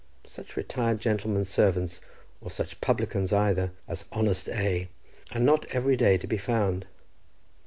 Such retired gentlemen's servants, or such publicans either, as honest A—, are not every day to be found.